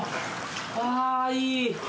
ああいい。